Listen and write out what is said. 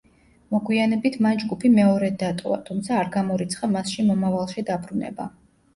მოგვიანებით მან ჯგუფი მეორედ დატოვა, თუმცა არ გამორიცხა მასში მომავალში დაბრუნება.